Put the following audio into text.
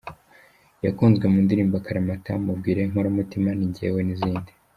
Yakunzwe mu ndirimbo ‘Akaramata’, ‘Mubwire’, ‘Inkoramutima’, ‘Ni Njyewe’ n’izindi.